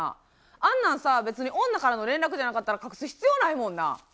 あんなんさ、別に女からの連絡じゃなかったら隠す必要ないもんな。